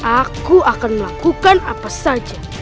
aku akan melakukan apa saja